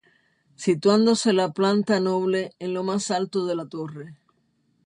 Situándose la planta noble en lo más alto de la torre.